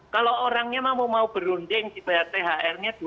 kalau orangnya mau berunding dibayar thr nya dua tiga kali oke